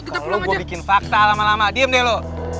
kalau lo gue bikin fakta lama lama diem deh lo